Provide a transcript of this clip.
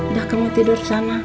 udah kamu tidur sana